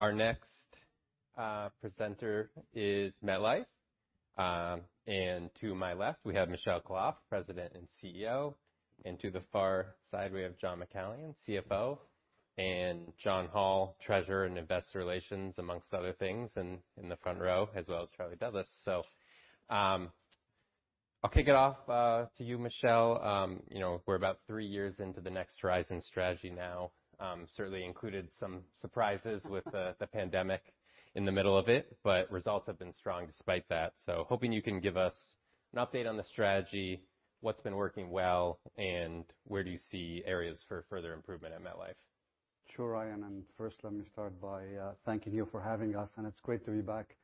Our next presenter is MetLife. To my left, we have Michel Khalaf, President and CEO, and to the far side, we have John McCallion, CFO, and John Hall, Treasurer and Investor Relations, amongst other things, and in the front row as well as Charlie Douglas. I'll kick it off to you, Michel. We're about three years into the Next Horizon strategy now. Certainly included some surprises with the pandemic in the middle of it, but results have been strong despite that. Hoping you can give us an update on the strategy, what's been working well, and where do you see areas for further improvement at MetLife? Ryan, first let me start by thanking you for having us, and it's great to be back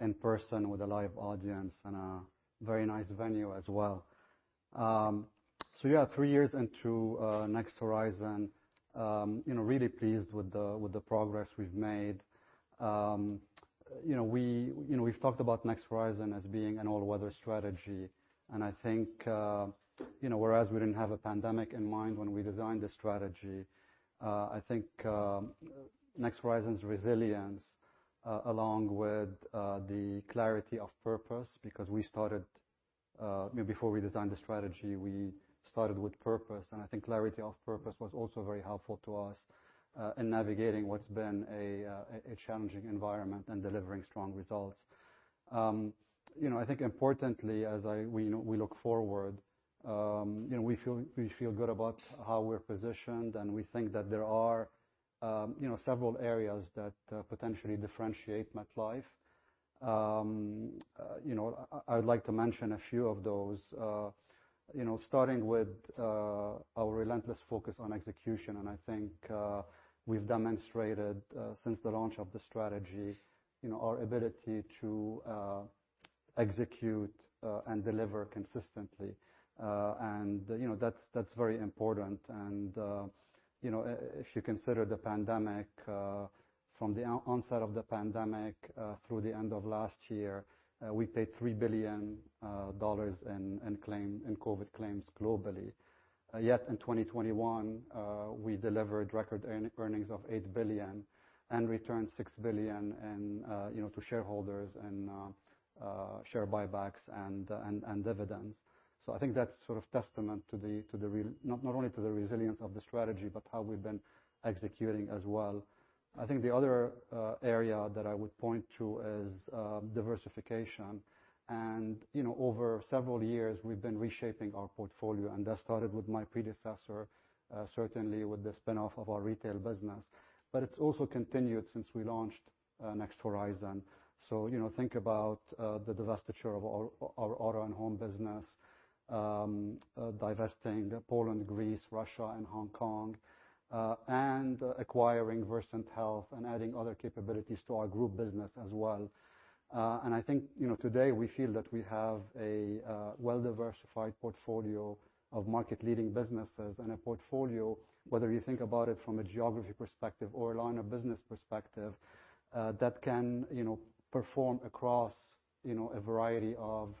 in person with a live audience and a very nice venue as well. Yeah, three years into Next Horizon. Really pleased with the progress we've made. We've talked about Next Horizon as being an all-weather strategy, and I think whereas we didn't have a pandemic in mind when we designed the strategy, I think Next Horizon's resilience, along with the clarity of purpose, because before we designed the strategy, we started with purpose. I think clarity of purpose was also very helpful to us in navigating what's been a challenging environment and delivering strong results. I think importantly, as we look forward, we feel good about how we're positioned, and we think that there are several areas that potentially differentiate MetLife. I'd like to mention a few of those, starting with our relentless focus on execution, and I think we've demonstrated since the launch of the strategy our ability to execute and deliver consistently. That's very important and if you consider the pandemic, from the onset of the pandemic through the end of last year, we paid $3 billion in COVID claims globally. Yet in 2021, we delivered record earnings of $8 billion and returned $6 billion to shareholders in share buybacks and dividends. I think that's testament not only to the resilience of the strategy, but how we've been executing as well. I think the other area that I would point to is diversification. Over several years, we've been reshaping our portfolio, and that started with my predecessor, certainly with the spinoff of our retail business. It's also continued since we launched Next Horizon. Think about the divestiture of our auto and home business, divesting Poland, Greece, Russia, and Hong Kong, and acquiring Versant Health and adding other capabilities to our group business as well. I think today we feel that we have a well-diversified portfolio of market-leading businesses and a portfolio, whether you think about it from a geography perspective or a line of business perspective, that can perform across a variety of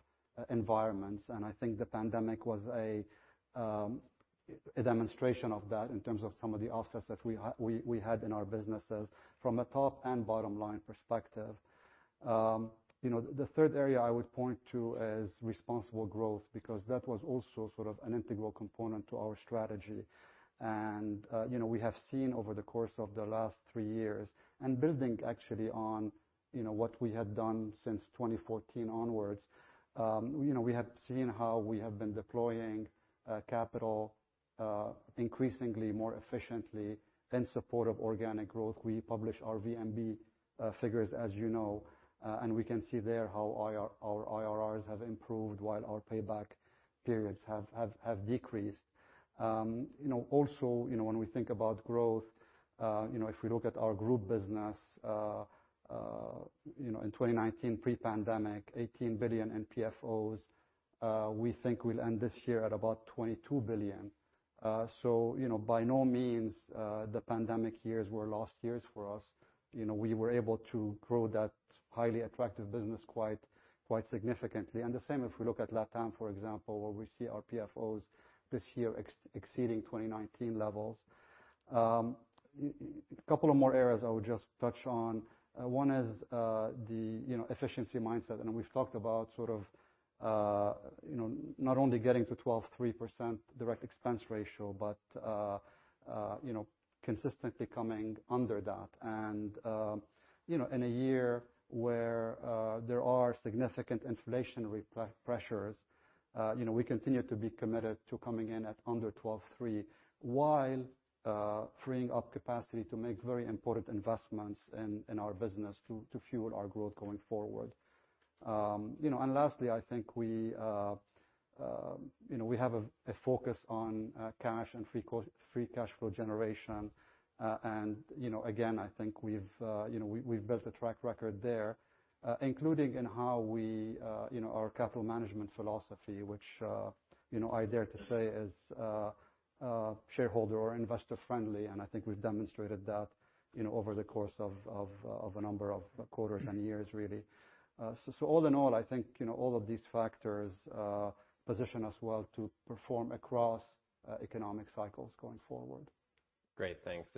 environments. I think the pandemic was a demonstration of that in terms of some of the offsets that we had in our businesses from a top and bottom line perspective. The third area I would point to is responsible growth, because that was also an integral component to our strategy. We have seen over the course of the last three years and building actually on what we had done since 2014 onwards, we have seen how we have been deploying capital increasingly more efficiently in support of organic growth. We publish our VMB figures, as you know, and we can see there how our IRRs have improved while our payback periods have decreased. When we think about growth, if we look at our group business, in 2019 pre-pandemic, $18 billion in PFOs. We think we'll end this year at about $22 billion. By no means the pandemic years were lost years for us. We were able to grow that highly attractive business quite significantly. The same if we look at LatAm, for example, where we see our PFOs this year exceeding 2019 levels. Couple of more areas I would just touch on. One is the efficiency mindset, we've talked about not only getting to 12.3% direct expense ratio, but consistently coming under that. In a year where there are significant inflationary pressures, we continue to be committed to coming in at under 12.3, while freeing up capacity to make very important investments in our business to fuel our growth going forward. Lastly, I think we have a focus on cash and free cash flow generation. Again, I think we've built a track record there, including in how our capital management philosophy, which I dare to say is shareholder or investor friendly, and I think we've demonstrated that over the course of a number of quarters and years really. All in all, I think, all of these factors position us well to perform across economic cycles going forward. Great. Thanks.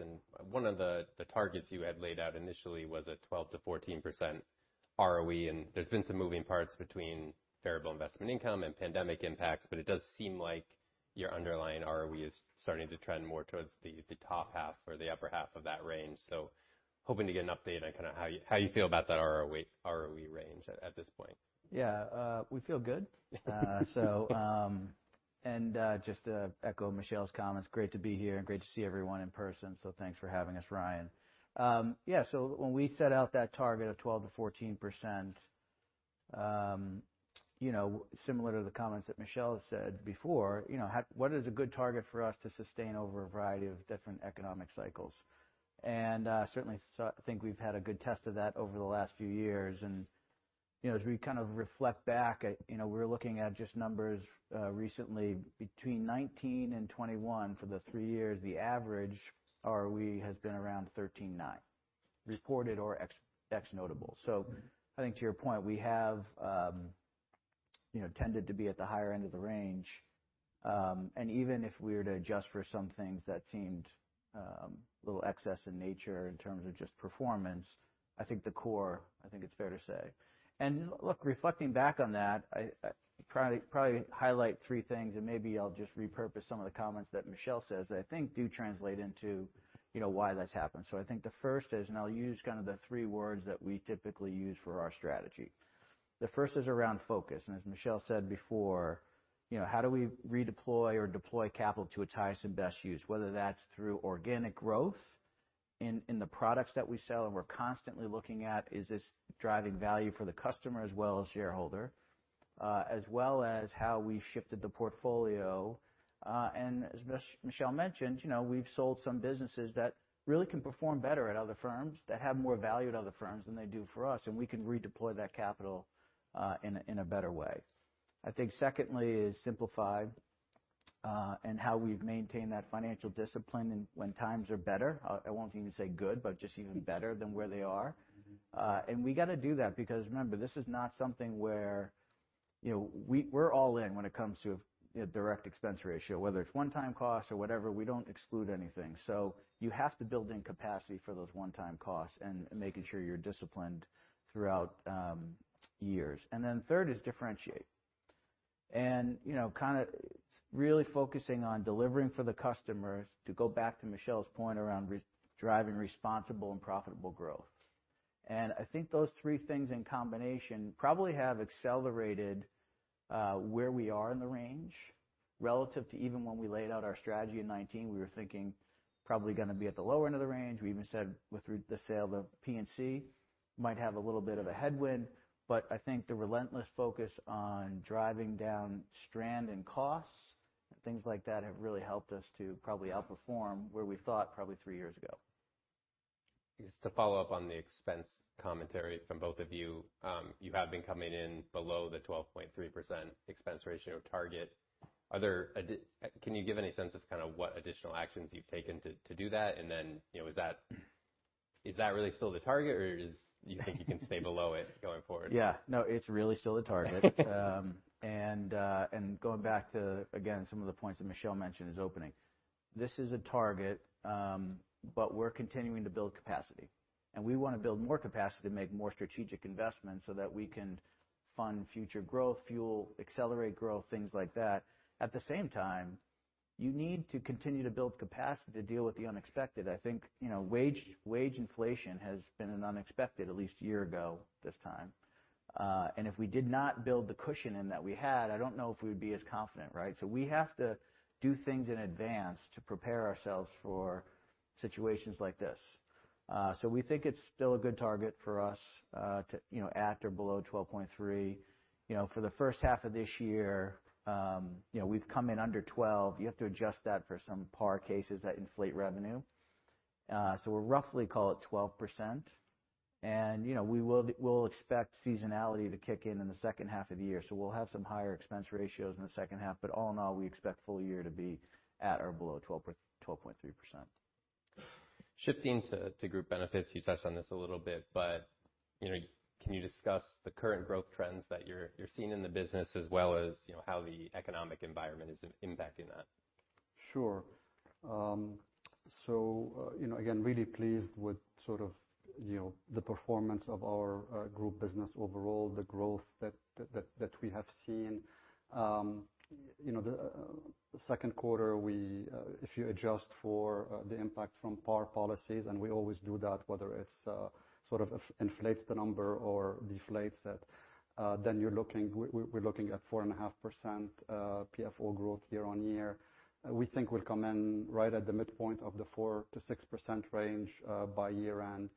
One of the targets you had laid out initially was a 12%-14% ROE, there's been some moving parts between variable investment income and pandemic impacts, but it does seem like your underlying ROE is starting to trend more towards the top half or the upper half of that range. Hoping to get an update on how you feel about that ROE range at this point. Yeah. We feel good. Just to echo Michel's comments, great to be here and great to see everyone in person. Thanks for having us, Ryan. When we set out that target of 12%-14%, similar to the comments that Michel has said before, what is a good target for us to sustain over a variety of different economic cycles? Certainly think we've had a good test of that over the last few years. As we kind of reflect back at, we're looking at just numbers recently between 2019 and 2021 for the three years, the average ROE has been around 13.9, reported or ex-notable. I think to your point, we have tended to be at the higher end of the range. Even if we were to adjust for some things that seemed a little excess in nature in terms of just performance, I think the core, I think it's fair to say. Look, reflecting back on that, I'd probably highlight three things and maybe I'll just repurpose some of the comments that Michel says that I think do translate into why that's happened. I think the first is, and I'll use kind of the three words that we typically use for our strategy. The first is around focus, and as Michel said before, how do we redeploy or deploy capital to its highest and best use, whether that's through organic growth in the products that we sell and we're constantly looking at, is this driving value for the customer as well as shareholder, as well as how we've shifted the portfolio. As Michel mentioned, we've sold some businesses that really can perform better at other firms, that have more value at other firms than they do for us. We can redeploy that capital in a better way. I think secondly is simplify, and how we've maintained that financial discipline when times are better. I won't even say good, but just even better than where they are. We got to do that because remember, this is not something where we're all in when it comes to a direct expense ratio. Whether it's one-time cost or whatever, we don't exclude anything. You have to build in capacity for those one-time costs and making sure you're disciplined throughout years. Then third is differentiate and kind of really focusing on delivering for the customers to go back to Michel's point around driving responsible and profitable growth. I think those three things in combination probably have accelerated where we are in the range relative to even when we laid out our strategy in 2019. We were thinking probably going to be at the lower end of the range. We even said with the sale of PNC might have a little bit of a headwind. I think the relentless focus on driving down stranded costs and things like that have really helped us to probably outperform where we thought probably three years ago. Just to follow up on the expense commentary from both of you. You have been coming in below the 12.3% expense ratio target. Can you give any sense of what additional actions you've taken to do that? Then is that really still the target or do you think you can stay below it going forward? No, it's really still the target. Going back to, again, some of the points that Michel mentioned is opening. This is a target, but we're continuing to build capacity. We want to build more capacity to make more strategic investments so that we can fund future growth, fuel, accelerate growth, things like that. At the same time, you need to continue to build capacity to deal with the unexpected. I think wage inflation has been an unexpected at least a year ago this time. If we did not build the cushion in that we had, I don't know if we would be as confident, right? We have to do things in advance to prepare ourselves for situations like this. We think it's still a good target for us to at or below 12.3%. For the first half of this year, we've come in under 12%. You have to adjust that for some par cases that inflate revenue. We'll roughly call it 12%. We'll expect seasonality to kick in in the second half of the year. We'll have some higher expense ratios in the second half, but all in all, we expect full year to be at or below 12.3%. Shifting to Group Benefits, you touched on this a little bit, but can you discuss the current growth trends that you're seeing in the business as well as how the economic environment is impacting that? Sure. Again, really pleased with sort of the performance of our group business overall, the growth that we have seen. The second quarter, if you adjust for the impact from par policies, and we always do that, whether it sort of inflates the number or deflates it, then we're looking at 4.5% PFO growth year-on-year. We think we'll come in right at the midpoint of the 4%-6% range by year-end.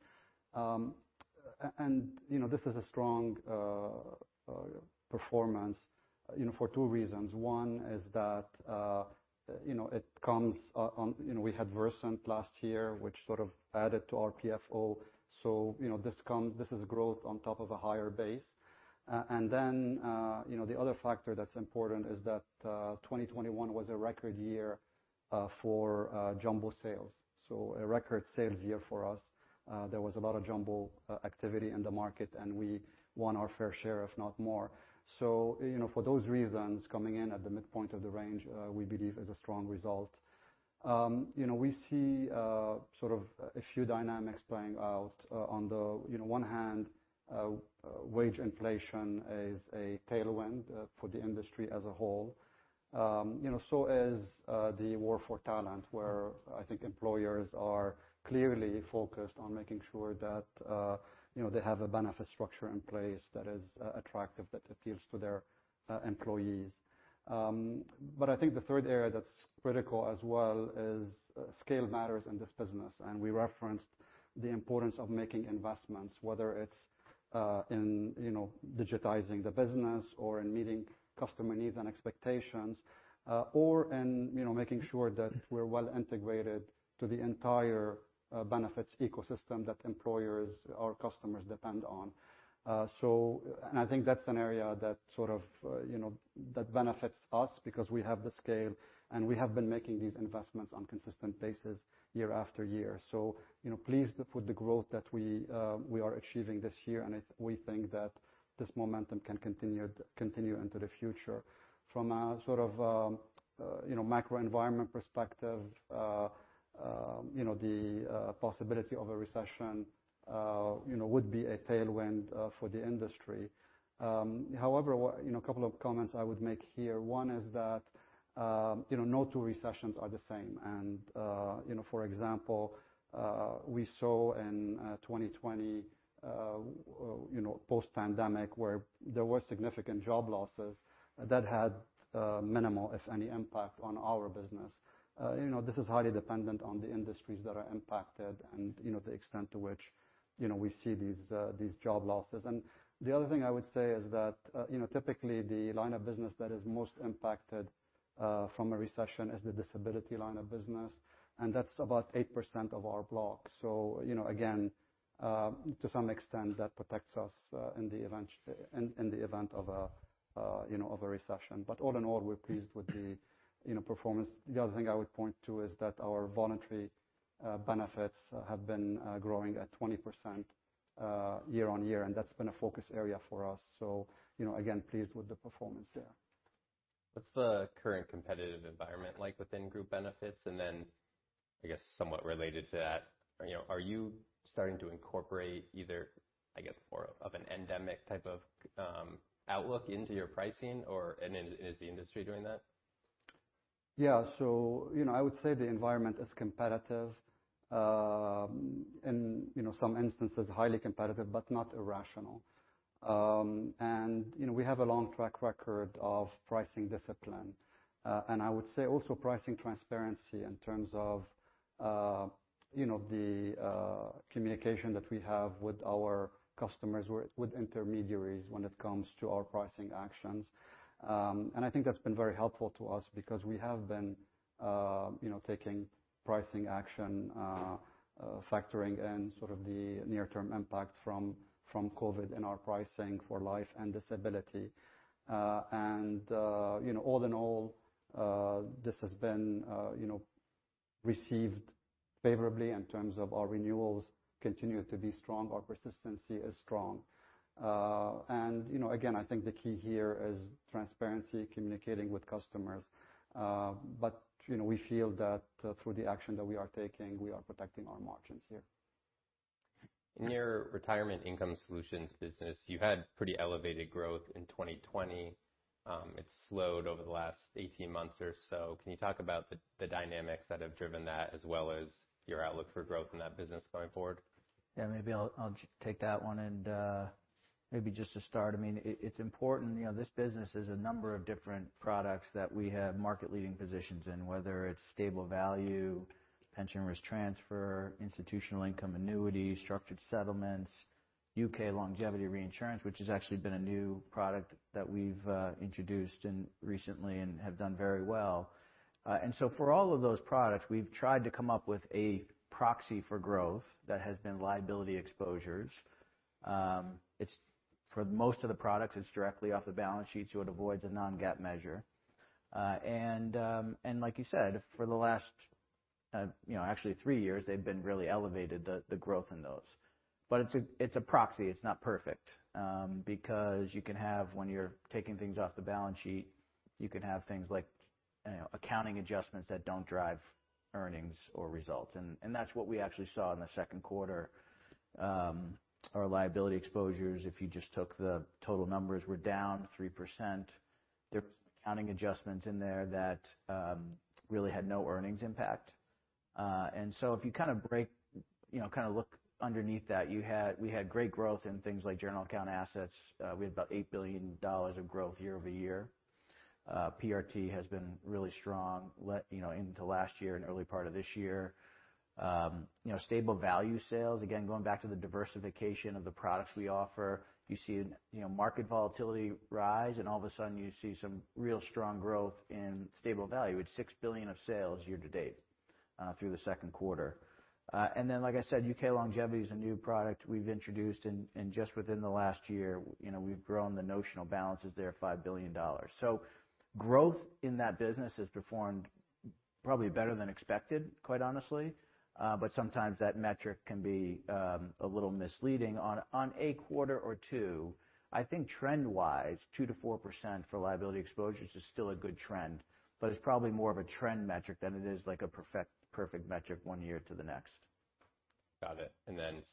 This is a strong performance for two reasons. One is that we had Versant last year, which sort of added to our PFO. This is growth on top of a higher base. The other factor that's important is that 2021 was a record year for jumbo sales. A record sales year for us. There was a lot of jumbo activity in the market, and we won our fair share, if not more. For those reasons, coming in at the midpoint of the range we believe is a strong result. We see a few dynamics playing out. On the one hand, wage inflation is a tailwind for the industry as a whole. So is the war for talent, where I think employers are clearly focused on making sure that they have a benefit structure in place that is attractive, that appeals to their employees. I think the third area that's critical as well is scale matters in this business, and we referenced the importance of making investments, whether it's in digitizing the business or in meeting customer needs and expectations, or in making sure that we're well integrated to the entire benefits ecosystem that employers, our customers, depend on. I think that's an area that benefits us because we have the scale, and we have been making these investments on consistent basis year after year. Pleased with the growth that we are achieving this year, and we think that this momentum can continue into the future. From a macro environment perspective, the possibility of a recession would be a tailwind for the industry. However, a couple of comments I would make here. One is that no two recessions are the same. For example, we saw in 2020, post pandemic, where there were significant job losses that had minimal, if any, impact on our business. This is highly dependent on the industries that are impacted and the extent to which we see these job losses. The other thing I would say is that typically the line of business that is most impacted from a recession is the disability line of business, and that's about 8% of our block. Again, to some extent, that protects us in the event of a recession. All in all, we're pleased with the performance. The other thing I would point to is that our voluntary benefits have been growing at 20% year-on-year, and that's been a focus area for us. Again, pleased with the performance there. What's the current competitive environment like within Group Benefits? Then, I guess somewhat related to that, are you starting to incorporate either, I guess more of an endemic type of outlook into your pricing, or is the industry doing that? I would say the environment is competitive. In some instances, highly competitive, but not irrational. We have a long track record of pricing discipline. I would say also pricing transparency in terms of the communication that we have with our customers, with intermediaries when it comes to our pricing actions. I think that's been very helpful to us because we have been taking pricing action, factoring in sort of the near term impact from COVID in our pricing for life and disability. All in all, this has been received favorably in terms of our renewals continue to be strong. Our persistency is strong. Again, I think the key here is transparency, communicating with customers. We feel that through the action that we are taking, we are protecting our margins here. In your Retirement and Income Solutions business, you had pretty elevated growth in 2020. It slowed over the last 18 months or so. Can you talk about the dynamics that have driven that as well as your outlook for growth in that business going forward? Maybe I'll take that one. It's important, this business is a number of different products that we have market leading positions in, whether it's stable value, pension risk transfer, institutional income annuities, structured settlements, U.K. longevity reinsurance, which has actually been a new product that we've introduced recently and have done very well. For all of those products, we've tried to come up with a proxy for growth that has been liability exposures. For most of the products, it's directly off the balance sheet, so it avoids a non-GAAP measure. Like you said, for the last actually three years, they've been really elevated, the growth in those. It's a proxy. It's not perfect, because you can have, when you're taking things off the balance sheet, you can have things like accounting adjustments that don't drive earnings or results. That's what we actually saw in the second quarter. Our liability exposures, if you just took the total numbers, were down 3%. There's accounting adjustments in there that really had no earnings impact. If you kind of look underneath that, we had great growth in things like general account assets. We had about $8 billion of growth year-over-year. PRT has been really strong into last year and early part of this year. Stable value sales, again, going back to the diversification of the products we offer. You see market volatility rise, and all of a sudden you see some real strong growth in stable value with $6 billion of sales year-to-date through the second quarter. Like I said, U.K. longevity is a new product we've introduced, and just within the last year, we've grown the notional balances there $5 billion. Growth in that business has performed probably better than expected, quite honestly. Sometimes that metric can be a little misleading on a quarter or two. I think trend-wise, 2%-4% for liability exposures is still a good trend, but it's probably more of a trend metric than it is like a perfect metric one year to the next. Got it.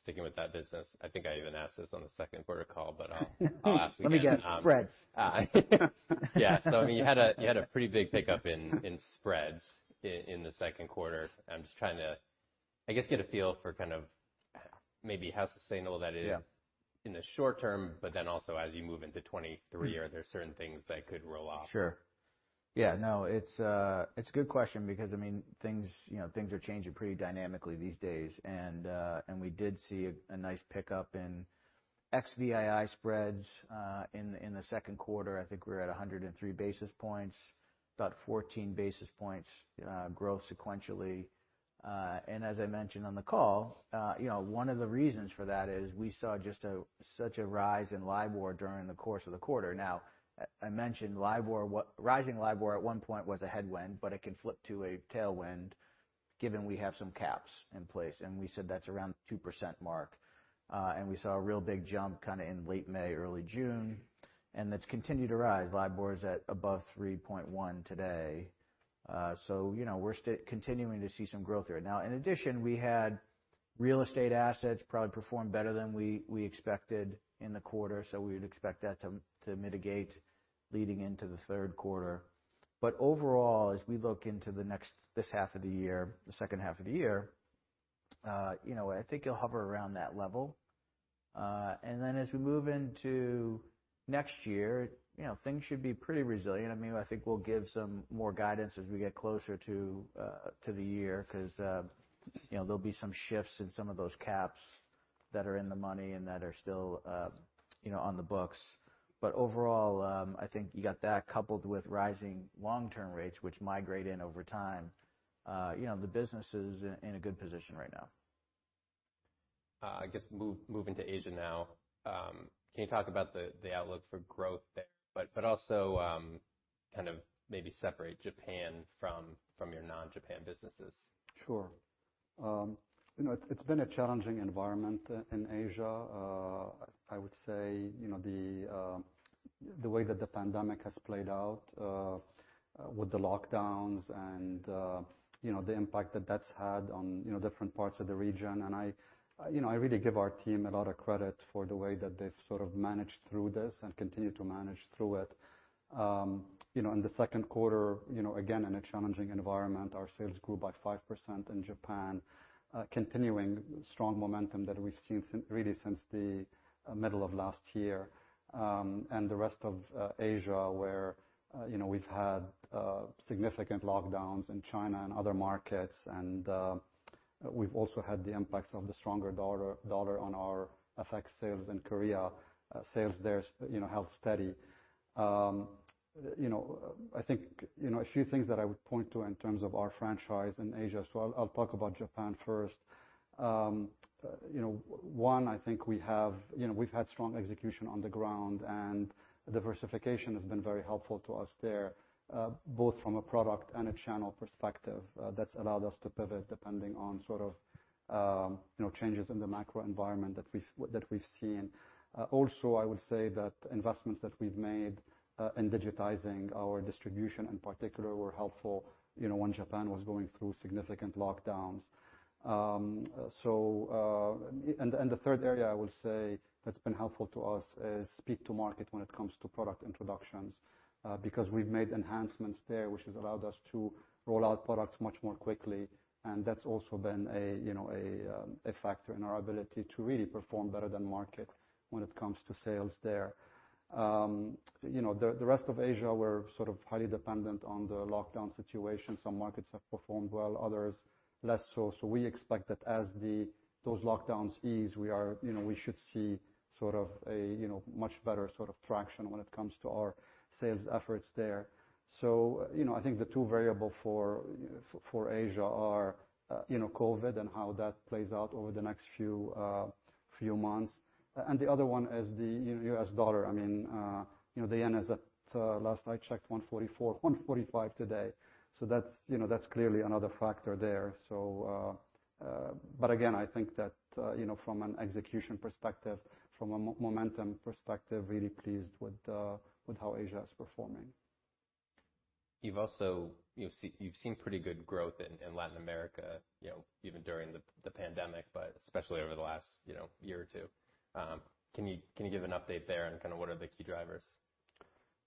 Sticking with that business, I think I even asked this on the second quarter call, but I'll ask again. Let me guess, spreads. Yeah. You had a pretty big pickup in spreads in the second quarter. I'm just trying to, I guess, get a feel for kind of maybe how sustainable that is? Yeah in the short term, also as you move into 2023, are there certain things that could roll off? Sure. Yeah, no, it's a good question because things are changing pretty dynamically these days. We did see a nice pickup in XVII spreads, in the second quarter, I think we're at 103 basis points, about 14 basis points growth sequentially. As I mentioned on the call, one of the reasons for that is we saw just such a rise in LIBOR during the course of the quarter. I mentioned rising LIBOR at one point was a headwind, it can flip to a tailwind given we have some caps in place, and we said that's around the 2% mark. We saw a real big jump kind of in late May, early June, and that's continued to rise. LIBOR is at above 3.1% today. We're continuing to see some growth there. In addition, we had real estate assets probably perform better than we expected in the quarter, we would expect that to mitigate leading into the third quarter. Overall, as we look into this half of the year, the second half of the year, I think you'll hover around that level. As we move into next year, things should be pretty resilient. I think we'll give some more guidance as we get closer to the year because there'll be some shifts in some of those caps that are in the money and that are still on the books. Overall, I think you got that coupled with rising long-term rates, which migrate in over time. The business is in a good position right now. I guess, moving to Asia now. Can you talk about the outlook for growth there, also kind of maybe separate Japan from your non-Japan businesses? Sure. It's been a challenging environment in Asia. I would say the way that the pandemic has played out with the lockdowns and the impact that that's had on different parts of the region, and I really give our team a lot of credit for the way that they've sort of managed through this and continue to manage through it. In the second quarter, again, in a challenging environment, our sales grew by 5% in Japan, continuing strong momentum that we've seen really since the middle of last year. The rest of Asia, where we've had significant lockdowns in China and other markets, and we've also had the impacts of the stronger dollar on our FX sales in Korea. Sales there held steady. I think a few things that I would point to in terms of our franchise in Asia. I'll talk about Japan first. One, I think we've had strong execution on the ground, and diversification has been very helpful to us there, both from a product and a channel perspective, that's allowed us to pivot depending on sort of changes in the macro environment that we've seen. I would say that investments that we've made in digitizing our distribution in particular were helpful when Japan was going through significant lockdowns. The third area I would say that's been helpful to us is speed to market when it comes to product introductions, because we've made enhancements there, which has allowed us to roll out products much more quickly, and that's also been a factor in our ability to really perform better than market when it comes to sales there. The rest of Asia were sort of highly dependent on the lockdown situation. Some markets have performed well, others less so. We expect that as those lockdowns ease, we should see sort of a much better traction when it comes to our sales efforts there. I think the two variable for Asia are COVID and how that plays out over the next few months. The other one is the U.S. dollar. The yen is at, last I checked, 144, 145 today. That's clearly another factor there. Again, I think that from an execution perspective, from a momentum perspective, really pleased with how Asia is performing. You've seen pretty good growth in Latin America even during the pandemic, but especially over the last year or two. Can you give an update there and kind of what are the key drivers?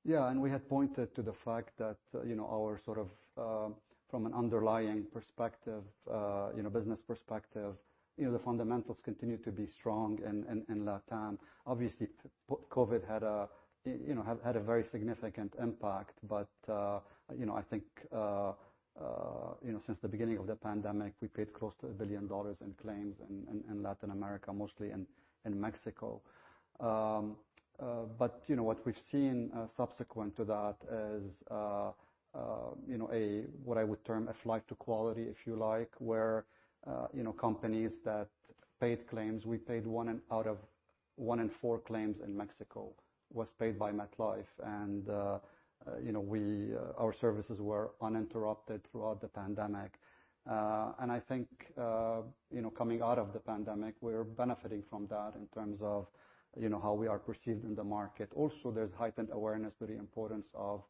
We had pointed to the fact that from an underlying perspective, business perspective, the fundamentals continue to be strong in LatAm. Obviously, COVID had a very significant impact. I think since the beginning of the pandemic, we paid close to $1 billion in claims in Latin America, mostly in Mexico. What we've seen subsequent to that is what I would term a flight to quality, if you like, where companies that paid claims, we paid one in four claims in Mexico was paid by MetLife, and our services were uninterrupted throughout the pandemic. I think coming out of the pandemic, we're benefiting from that in terms of how we are perceived in the market. Also, there's heightened awareness to the importance of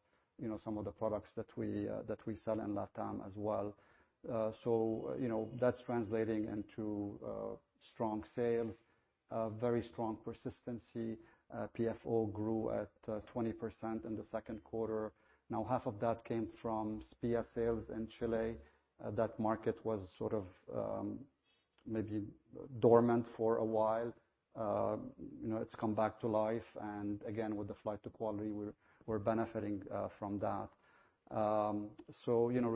some of the products that we sell in LatAm as well. That's translating into strong sales. A very strong persistency. PFO grew at 20% in the second quarter. Half of that came from SPIA sales in Chile. That market was sort of maybe dormant for a while. It's come back to life, again, with the flight to quality, we're benefiting from that.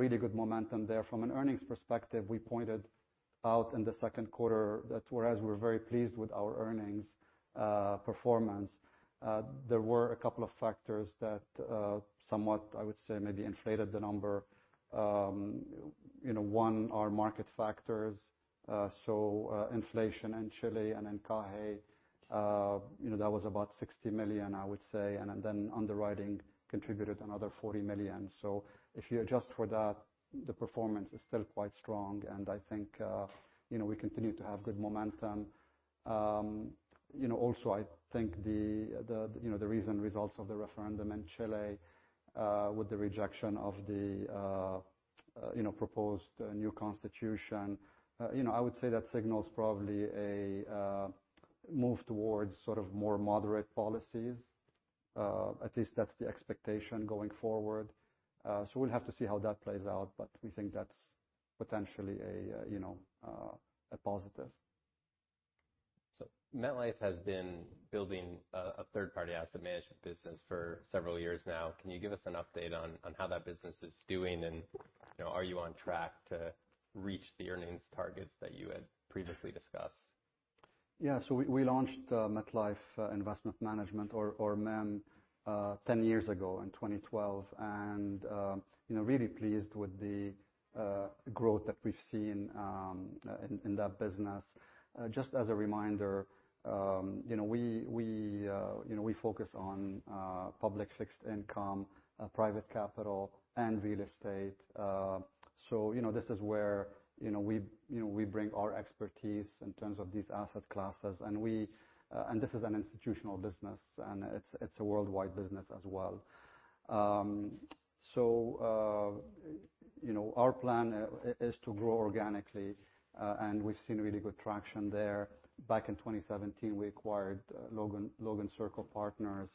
Really good momentum there. From an earnings perspective, we pointed out in the second quarter that whereas we're very pleased with our earnings performance, there were a couple of factors that somewhat, I would say, maybe inflated the number. One, our market factors. Inflation in Chile and in Chile, that was about $60 million, I would say. Then underwriting contributed another $40 million. If you adjust for that, the performance is still quite strong. I think we continue to have good momentum. I think the recent results of the referendum in Chile, with the rejection of the proposed new constitution, I would say that signals probably a move towards more moderate policies. At least that's the expectation going forward. We'll have to see how that plays out, but we think that's potentially a positive. MetLife has been building a third-party asset management business for several years now. Can you give us an update on how that business is doing? Are you on track to reach the earnings targets that you had previously discussed? Yeah. We launched MetLife Investment Management or MIM 10 years ago in 2012. Really pleased with the growth that we've seen in that business. Just as a reminder, we focus on public fixed income, private capital and real estate. This is where we bring our expertise in terms of these asset classes. This is an institutional business, and it's a worldwide business as well. Our plan is to grow organically, and we've seen really good traction there. Back in 2017, we acquired Logan Circle Partners,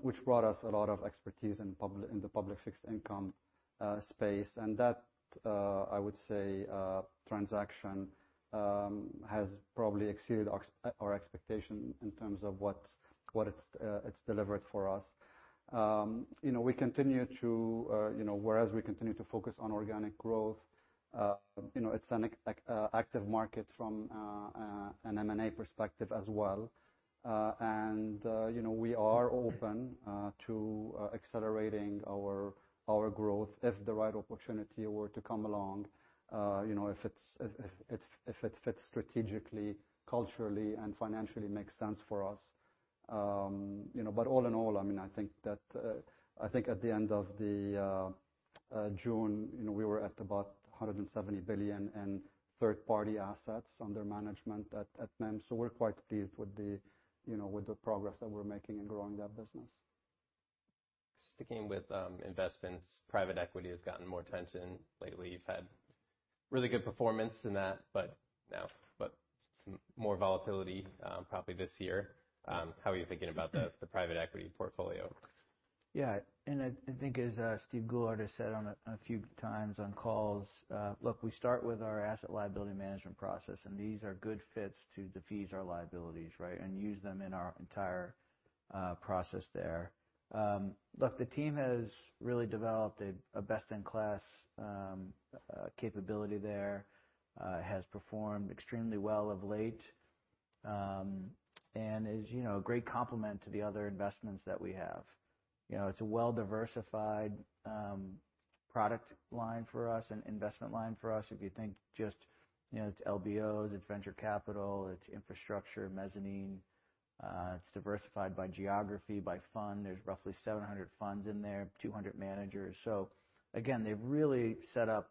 which brought us a lot of expertise in the public fixed income space. That, I would say, transaction has probably exceeded our expectation in terms of what it's delivered for us. Whereas we continue to focus on organic growth, it's an active market from an M&A perspective as well. We are open to accelerating our growth if the right opportunity were to come along, if it fits strategically, culturally and financially makes sense for us. All in all, I think at the end of June, we were at about $170 billion in third-party assets under management at MIM. We're quite pleased with the progress that we're making in growing that business. Sticking with investments, private equity has gotten more attention lately. You've had really good performance in that, more volatility probably this year. How are you thinking about the private equity portfolio? Yeah. I think as Steven Goulart has said a few times on calls, look, we start with our asset liability management process. These are good fits to defease our liabilities, right? Use them in our entire process there. Look, the team has really developed a best-in-class capability there. Has performed extremely well of late. Is a great complement to the other investments that we have. It's a well-diversified product line for us and investment line for us. If you think just, it's LBOs, it's venture capital, it's infrastructure, mezzanine. It's diversified by geography, by fund. There's roughly 700 funds in there, 200 managers. Again, they've really set up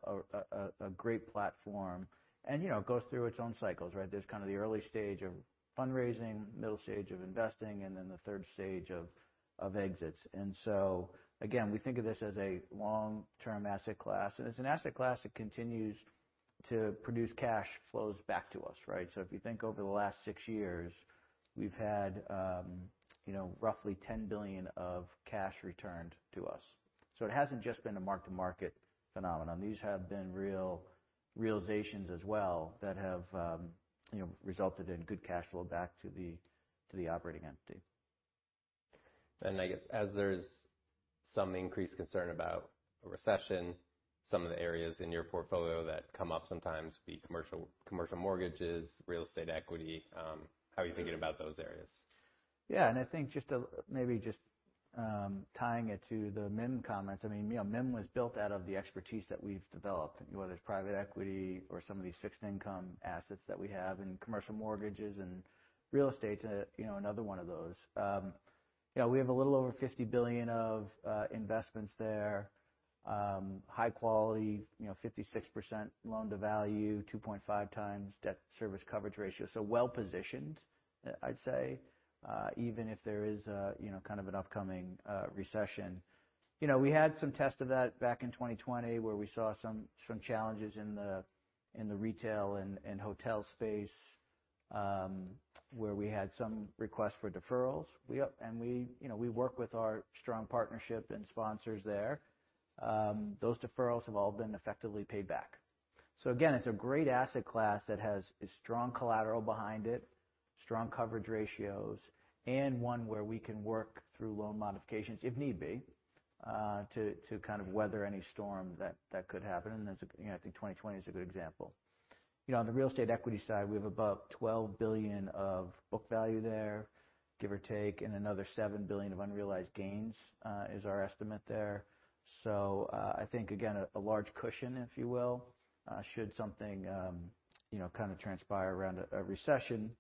a great platform. It goes through its own cycles, right? There's kind of the early stage of fundraising, middle stage of investing, and then the stage 3 of exits. Again, we think of this as a long-term asset class. It's an asset class that continues to produce cash flows back to us, right? If you think over the last six years, we've had roughly $10 billion of cash returned to us. It hasn't just been a mark-to-market phenomenon. These have been real realizations as well that have resulted in good cash flow back to the operating entity. I guess as there's some increased concern about a recession, some of the areas in your portfolio that come up sometimes be commercial mortgages, real estate equity. How are you thinking about those areas? I think maybe just tying it to the MIM comments. MIM was built out of the expertise that we've developed, whether it's private equity or some of these fixed income assets that we have, and commercial mortgages and real estate's another one of those. We have a little over $50 billion of investments there. High quality, 56% loan-to-value, 2.5 times debt service coverage ratio. Well-positioned I'd say, even if there is a kind of an upcoming recession. We had some tests of that back in 2020, where we saw some challenges in the retail and hotel space, where we had some requests for deferrals. We work with our strong partnership and sponsors there. Those deferrals have all been effectively paid back. Again, it's a great asset class that has a strong collateral behind it, strong coverage ratios, and one where we can work through loan modifications, if need be, to kind of weather any storm that could happen. I think 2020 is a good example. On the real estate equity side, we have above $12 billion of book value there, give or take, and another $7 billion of unrealized gains, is our estimate there. I think, again, a large cushion, if you will, should something transpire around a recession.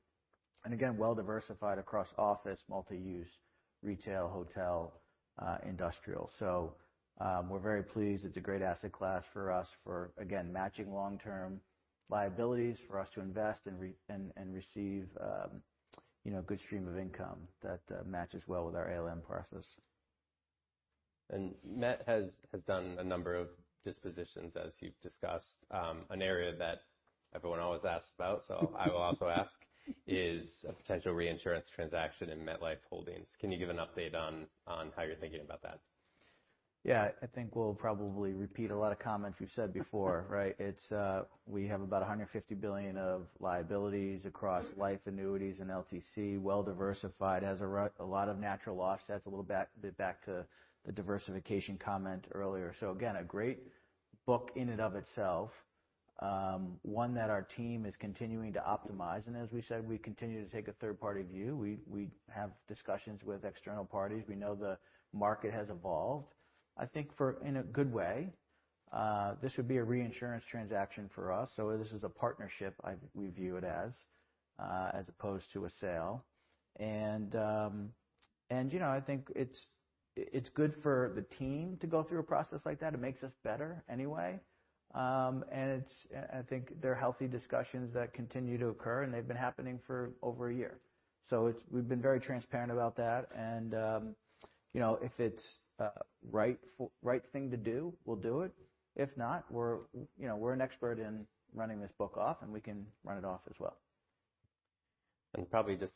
Again, well diversified across office, multi-use, retail, hotel, industrial. We're very pleased. It's a great asset class for us for, again, matching long-term liabilities, for us to invest and receive a good stream of income that matches well with our ALM process. Met has done a number of dispositions, as you've discussed. An area that everyone always asks about, so I will also ask, is a potential reinsurance transaction in MetLife Holdings. Can you give an update on how you're thinking about that? Yeah. I think we'll probably repeat a lot of comments we've said before, right? We have about $150 billion of liabilities across life annuities and LTC, well-diversified, has a lot of natural offsets, a little bit back to the diversification comment earlier. Again, a great book in and of itself. One that our team is continuing to optimize, and as we said, we continue to take a third-party view. We have discussions with external parties. We know the market has evolved. I think in a good way. This would be a reinsurance transaction for us, so this is a partnership, we view it as opposed to a sale. I think it's good for the team to go through a process like that. It makes us better anyway. I think they're healthy discussions that continue to occur, and they've been happening for over a year. We've been very transparent about that, and if it's a right thing to do, we'll do it. If not, we're an expert in running this book off, and we can run it off as well. Probably just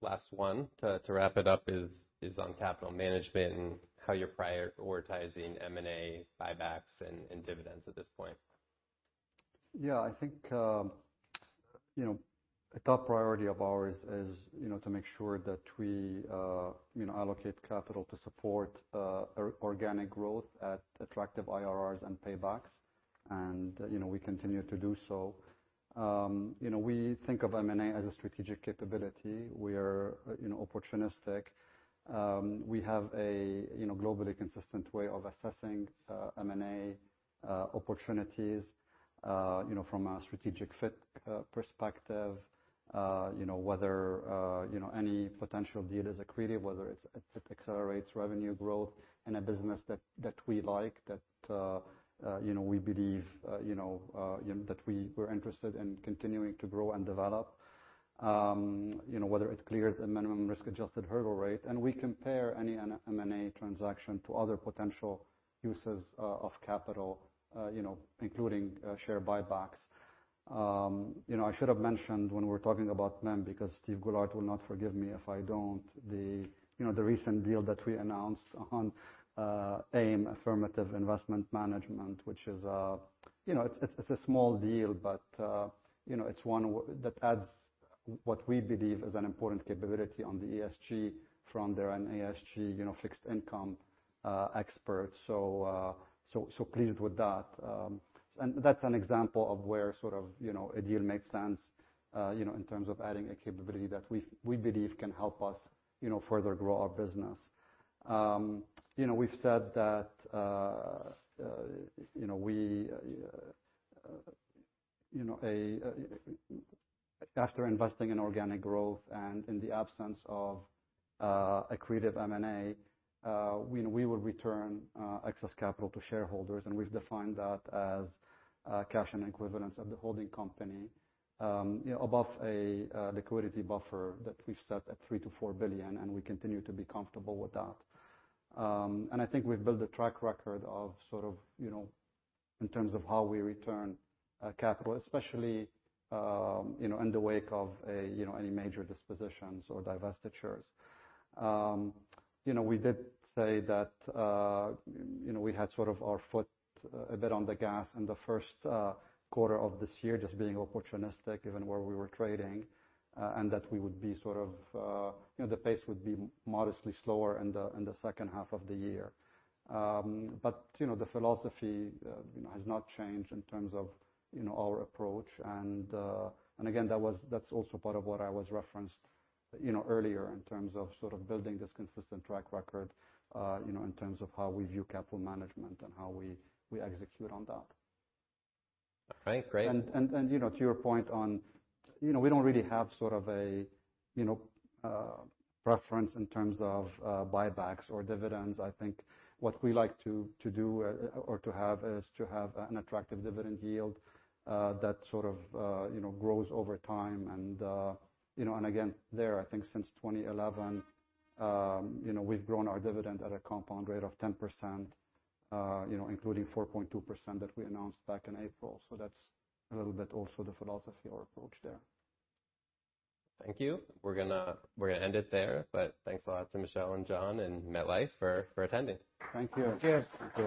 last one to wrap it up is on capital management and how you're prioritizing M&A buybacks and dividends at this point. Yeah, I think a top priority of ours is to make sure that we allocate capital to support organic growth at attractive IRRs and paybacks. We continue to do so. We think of M&A as a strategic capability. We are opportunistic. We have a globally consistent way of assessing M&A opportunities from a strategic fit perspective, whether any potential deal is accretive, whether it accelerates revenue growth in a business that we like, that we believe we're interested in continuing to grow and develop. Whether it clears a minimum risk-adjusted hurdle rate. We compare any M&A transaction to other potential uses of capital, including share buybacks. I should have mentioned when we were talking about MIM, because Steven Goulart will not forgive me if I don't, the recent deal that we announced on AIM, Affirmative Investment Management, which is a small deal, but it's one that adds what we believe is an important capability on the ESG front there, an ESG fixed income expert. Pleased with that. That's an example of where sort of a deal makes sense, in terms of adding a capability that we believe can help us further grow our business. We've said that after investing in organic growth and in the absence of accretive M&A, we will return excess capital to shareholders. We've defined that as cash and equivalents at the holding company above a liquidity buffer that we've set at $3 billion-$4 billion. We continue to be comfortable with that. I think we've built a track record of sort of in terms of how we return capital, especially in the wake of any major dispositions or divestitures. We did say that we had sort of our foot a bit on the gas in the first quarter of this year, just being opportunistic, given where we were trading, and that the pace would be modestly slower in the second half of the year. The philosophy has not changed in terms of our approach. Again, that's also part of what I was referenced earlier, in terms of sort of building this consistent track record, in terms of how we view capital management and how we execute on that. Right. Great. To your point on we don't really have sort of a preference in terms of buybacks or dividends. I think what we like to do or to have, is to have an attractive dividend yield that sort of grows over time. Again, there, I think since 2011, we've grown our dividend at a compound rate of 10%, including 4.2% that we announced back in April. That's a little bit also the philosophy or approach there. Thank you. We're going to end it there. Thanks a lot to Michel and John, and MetLife for attending. Thank you. Thank you. Thank you.